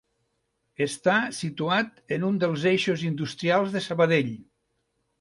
Està situat en un dels eixos industrials de Sabadell.